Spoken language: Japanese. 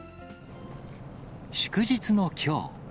祝日のきょう。